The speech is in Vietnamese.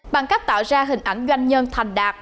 bằng cách tạo ra hình ảnh doanh nhân thành đạt